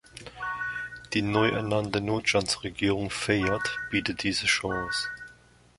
Die neu ernannte Notstandsregierung Fayad bietet diese Chance.